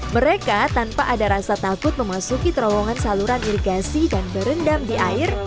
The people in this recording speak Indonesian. mereka tanpa ada rasa takut memasuki terowongan saluran irigasi dan berendam di air